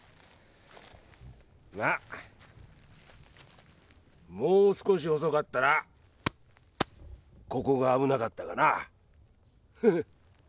まあもう少し遅かったらここが危なかったがなぁフフ。